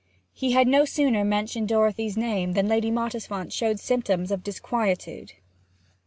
He had no sooner mentioned Dorothy's name than Lady Mottisfont showed symptoms of disquietude.